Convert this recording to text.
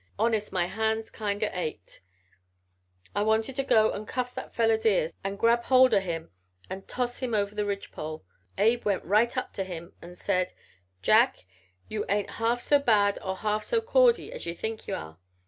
Honest my hands kind o' ached. I wanted to go an' cuff that feller's ears an' grab hold o' him an' toss him over the ridge pole. Abe went right up to him an' said: "'Jack, you ain't half so bad or half so cordy as ye think ye are.